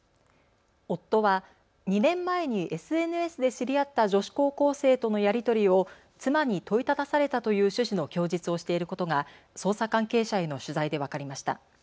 夫は、２年前にＳＮＳで知り合った女子高校生とのやり取りを妻に問いただされたという趣旨の供述をしていることが捜査関係者への取材で分かりました。